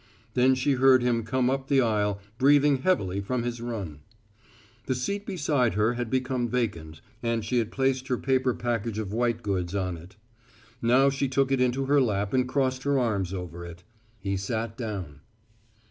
Then she heard him come up the aisle, breathing heavily from his run. The seat beside her had become vacant and she had placed her paper package of white goods on it. Now she took it into her lap and crossed her arms over it. He sat down.